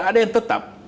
tapi yang tetap